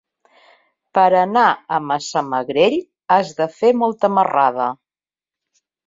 Per anar a Massamagrell has de fer molta marrada.